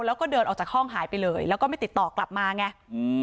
แล้วก็เดินออกจากห้องหายไปเลยแล้วก็ไม่ติดต่อกลับมาไงอืม